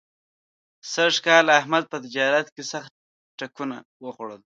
سږ کال احمد په تجارت کې سخت ټکونه وخوړل.